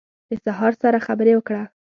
د سهار سره خبرې وکړه